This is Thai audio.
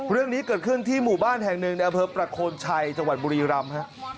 เรื่องนี้เกิดขึ้นที่หมู่บ้านแห่งหนึ่งในอำเภอประโคนชัยจังหวัดบุรีรำ